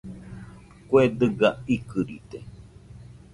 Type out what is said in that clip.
Kue dɨga ikɨrite